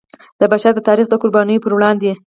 د بشر د تاریخ د قربانیو پر وړاندې.